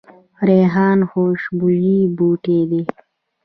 ریحان خوشبویه بوټی دی